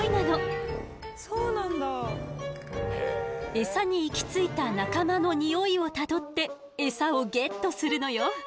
エサに行き着いた仲間の匂いをたどってエサをゲットするのよ。